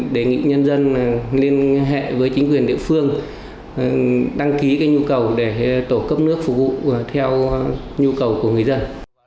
đề nghị nhân dân liên hệ với chính quyền địa phương đăng ký nhu cầu để tổ cấp nước phục vụ theo nhu cầu của người dân